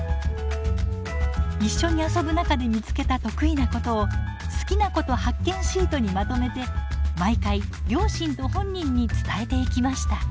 一緒に遊ぶ中で見つけた得意なことを「好きなこと発見シート」にまとめて毎回両親と本人に伝えていきました。